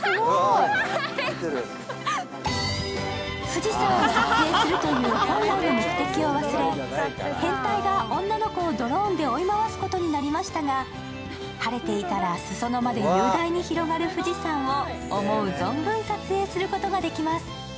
富士山を撮影するという本来の目的を忘れ変態が女の子をドローンで追い回すことになりましたが、晴れていたら、裾野まで雄大に広がる富士山を思う存分撮影することができます。